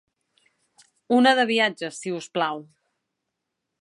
Una de viatges si us plau.